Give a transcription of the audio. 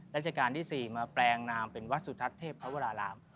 ราชการที่๔มาแปลงนามเป็นวัดสุทัศน์เทพวราราม